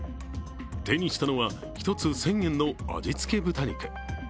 手にしたのは１つ１０００円の味付け豚肉。